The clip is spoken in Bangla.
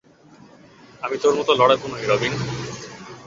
আমি তোর মতো লড়াকু নই, রবিন।